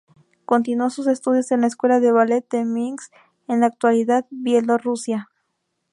Continuó sus estudios en la Escuela de Ballet de Minsk en la actual Bielorrusia.